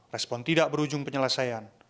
respon tidak berujung penyelesaian